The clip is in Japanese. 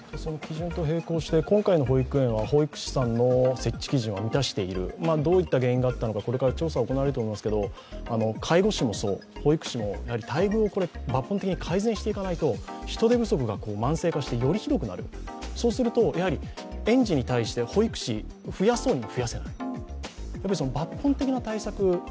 今回の保育園は保育園の設置基準は満たしている、どういった原因があったのか、これから調査が行われると思いますけど、介護士もそう、待遇を保育士も抜本的に改善していかないと、人手不足が慢性化してよりひどくなる、そうなると園児に対して人を増やせなくなる。